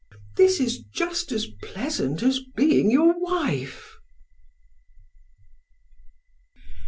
This is just as pleasant as being your wife."